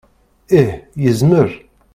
Ih, yezmer.